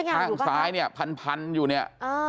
ข้างซ้ายเนี่ยพันอยู่เนี่ย